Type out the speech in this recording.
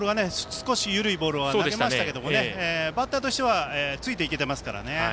少し緩いボールを投げましたがバッターとしてはついていけてますからね。